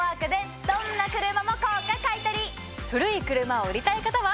古い車を売りたい方は。